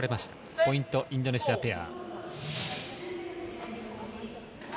ポイント、インドネシアペア。